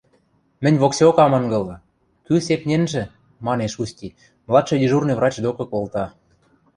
— Мӹнь воксеок ам ынгылы: кӱ сепненжӹ? — манеш Усти, младший дежурный врач докы колта.